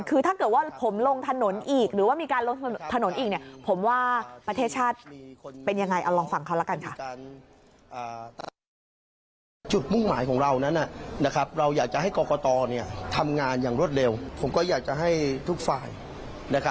คือถ้าเกิดว่าผมลงถนนอีกหรือว่ามีการลงถนนอีก